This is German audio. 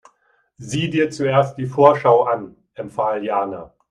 Sieh dir zuerst die Vorschau an, empfahl Jana.